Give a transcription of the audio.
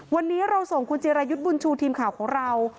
วันนี้เราส่งคุณจิรายุทธ์บุญชูทีมข่าวของเรา